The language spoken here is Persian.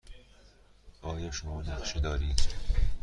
آیا شما نقشه دارید؟